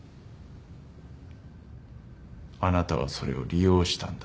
あなたはそれを利用したんだ。